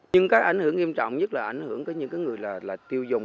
nhưng cái ảnh hưởng nghiêm trọng nhất là ảnh hưởng những người tiêu dùng